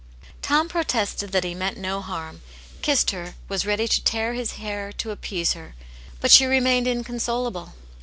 Tom protested that he meant no harm, kissed her, was ready to tear his hair to appease her. ' But she remained inconsolable.